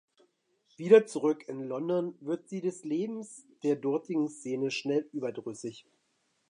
Wieder zurück in London, wird sie des Lebens der dortigen Szene schnell überdrüssig.